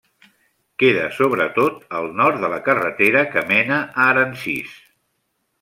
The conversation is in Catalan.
Queda sobretot al nord de la carretera que mena a Aransís.